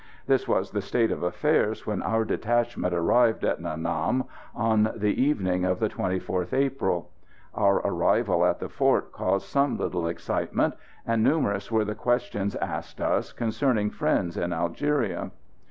This was the state of affairs when our detachment arrived at Nha Nam on the evening of the 24th April. Our arrival at the fort caused some little excitement, and numerous were the questions asked us concerning friends in Algeria.